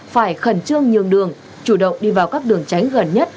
phải khẩn trương nhường đường chủ động đi vào các đường tránh gần nhất